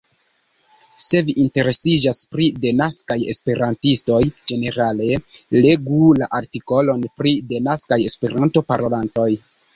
Se vi interesiĝas pri denaskaj Esperantistoj ĝenerale, legu la artikolon pri denaskaj Esperanto-parolantoj.